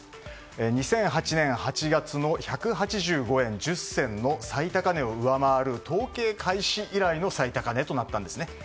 ２００８年８月の１８５円１０銭の最高値を上回る統計開始以来の最高値となったんですね。